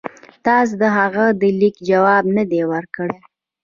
تاسي د هغه د لیک جواب نه دی ورکړی.